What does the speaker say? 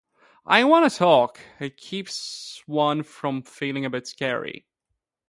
I want to talk. It keeps one from feeling a bit scary.